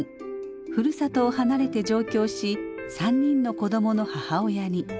ふるさとを離れて上京し３人の子どもの母親に。